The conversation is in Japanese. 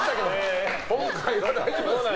今回は大丈夫ですから。